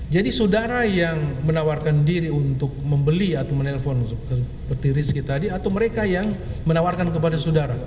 jadi saudara yang menawarkan diri untuk membeli atau menelpon seperti rizky tadi atau mereka yang menawarkan kepada saudara